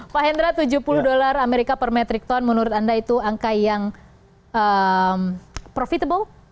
pak hendra tujuh puluh dolar amerika per metric ton menurut anda itu angka yang profitable